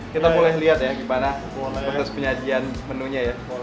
kita boleh lihat ya gimana proses penyajian menunya ya